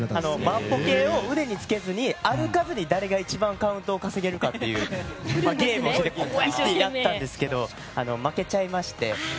万歩計を腕につけずに歩かずに誰が一番カウントを稼げるかというゲームをやったんですが負けちゃいまして。